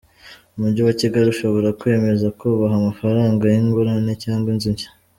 Umujyi wa Kigali ushobora kwemeza kubaha amafaranga y’ingurane cyangwa inzu nshya.